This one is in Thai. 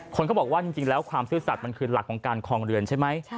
คนก็บอกว่าจริงแล้วความซื่อสัตว์มันคือหลักของการคลองเรือนใช่ไหม